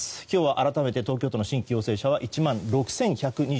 今日は改めて東京都の新規陽性者は１万６１２９人。